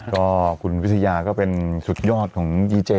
ก็คุณวิทยาก็เป็นสุดยอดของดีเจ